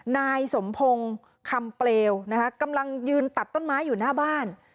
นายสมพงศ์คำเปลวนะคะกำลังยืนตัดต้นไม้อยู่หน้าบ้าน